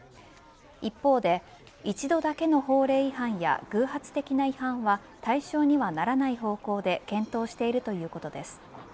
一方で、一度だけの法令違反や偶発的な違反は対象にはならない方向で検討しているということです。